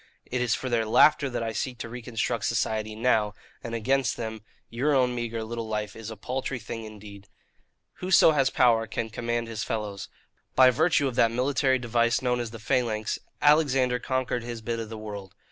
It is for their laughter that I seek to reconstruct society now; and against them your own meagre little life is a paltry thing indeed. "Whoso has power can command his fellows. By virtue of that military device known as the phalanx, Alexander conquered his bit of the world.